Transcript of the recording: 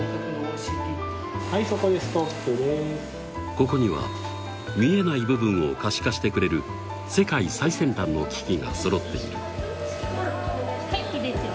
ここには見えない部分を可視化してくれる世界最先端の機器がそろっているはいいいですよ